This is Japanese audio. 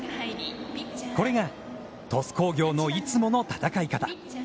これが鳥栖工業のいつもの戦い方。